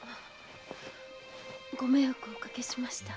ご迷惑おかけしました。